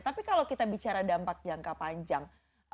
tapi kalau kita bicara dampak jangka panjang